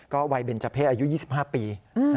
ก็วัยเบรนจับแพร่อายุ๒๕ปี